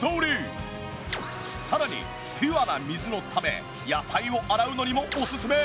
さらにピュアな水のため野菜を洗うのにもオススメ！